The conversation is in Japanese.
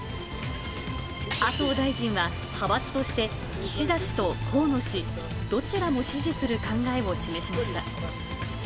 麻生大臣は、派閥として岸田氏と河野氏、どちらも支持する考えを示しました。